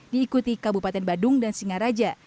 diikuti kabupaten badung dan singaraja